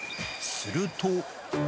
すると。